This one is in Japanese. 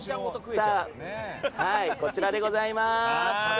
こちらでございます。